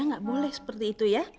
nggak boleh seperti itu ya